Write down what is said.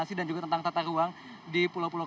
nah ini adalah pengaruh dari pt agung podomorolen